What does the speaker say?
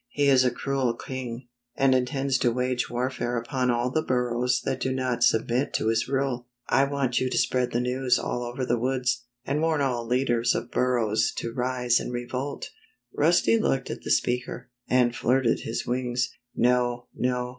He is a cruel king, and intends to wage warfare upon all the burrows that do not submit to his rule. I want you to spread the news all over the woods, and warn all leaders of burrows to rise in revolt," Rusty looked at the speaker, and flirted his wings. "No, no.